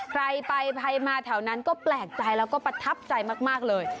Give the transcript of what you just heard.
ใครไปใครมาแถวนั้นก็แปลกใจแล้วก็ประทับใจมากเลย